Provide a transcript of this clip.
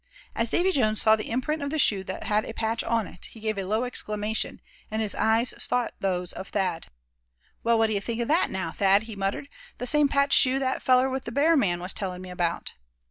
As Davy Jones saw the imprint of the shoe that had a patch on it, he gave a low exclamation, and his eyes sought those of Thad. "Well, what d'ye think of that, now, Thad?" he muttered; "the same patched shoe that feller with the bear man was tellin' me about.